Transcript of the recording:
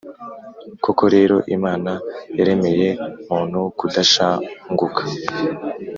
Koko rero, Imana yaremeye muntu kudashanguka,